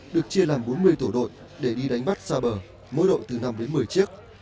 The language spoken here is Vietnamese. được chia làm bốn mươi tổ đội để đi đánh bắt xa bờ mỗi đội từ năm đến một mươi chiếc